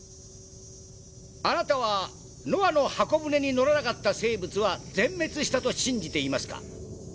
あなたはノアの方舟に乗らなかった生物は全滅したと信じていますか？